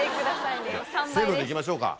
せのでいきましょうか。